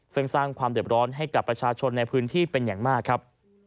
ซึ่งสร้างความเด็บร้อนให้กับประชาชนในพื้นที่เป็นอย่างมากครับ